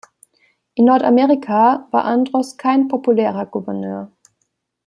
In Nordamerika war Andros kein populärer Gouverneur.